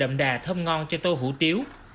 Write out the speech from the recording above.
chậm đà thơm ngon cho tô hủ tiếu